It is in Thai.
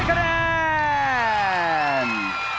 ๓๐๐คะแนน